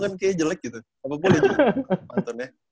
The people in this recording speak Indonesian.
kan kayaknya jelek gitu